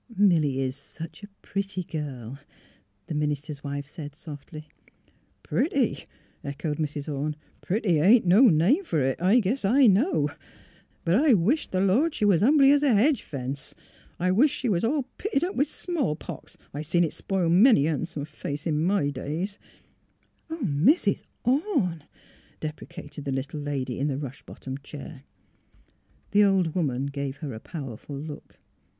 "" Milly is such a pretty girl," the minister's wife said, softly. '' Pretty? " echoed Mrs. Orne. ''—Pretty ain't no name fer it! I guess I know. But I wisht t' 140 THE HEAET OF PHILUKA th' Lord she was hiimbly es a hedge fence. I Tvisht she was all pitted up with smallpox — I've seen it spile many a han'some face in my young days.'' '^ Oh, Mrs. Orne! " deprecated the little lady, in the rush bottomed chair. The old woman gave her a powerful look.